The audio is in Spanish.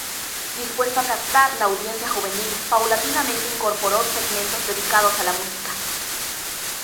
Dispuesto a captar la audiencia juvenil, paulatinamente incorporó segmentos dedicados a la música.